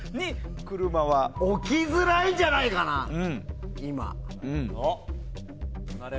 置きづらいんじゃないかなと、今。